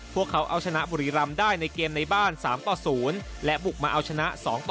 พวกเขาเอาชนะบุรีรำได้ในเกมในบ้าน๓ต่อ๐และบุกมาเอาชนะ๒๐๑